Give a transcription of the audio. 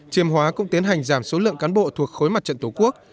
chiêm hóa cũng tiến hành giảm số lượng cán bộ thuộc khối mặt trận tổ quốc